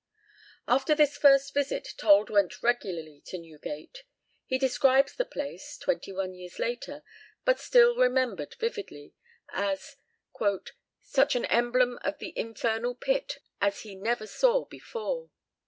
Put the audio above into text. After this first visit Told went regularly to Newgate. He describes the place, twenty one years later, but still remembered vividly, as "such an emblem of the infernal pit as he never saw before."